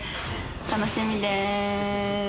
楽しみです。